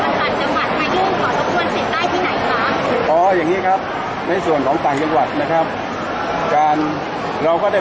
แล้วถ้ามีคนจากส่วนบ้านแล้วเรียกเป็นคนการจังหวัด